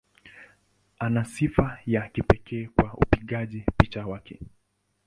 Ana sifa ya kipekee kwa upigaji picha wake.